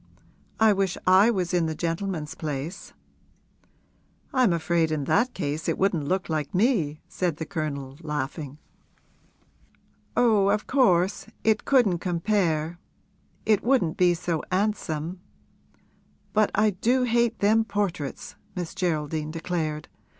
I wish I was in the gentleman's place.' 'I'm afraid in that case it wouldn't look like me,' said the Colonel, laughing. 'Oh, of course it couldn't compare it wouldn't be so 'andsome! But I do hate them portraits!' Miss Geraldine declared.